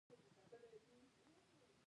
آیا د کاناډا ډالر د دوی پولي واحد نه دی؟